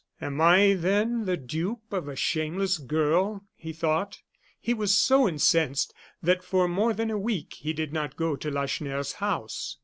"Am I, then, the dupe of a shameless girl?" he thought. He was so incensed, that for more than a week he did not go to Lacheneur's house.